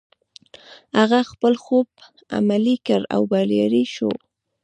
هغه خپل خوب عملي کړ او بريالی شو.